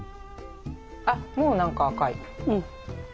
あっもう何か赤い。